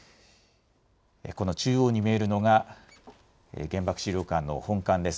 この中央に見えるのが、原爆資料館の本館です。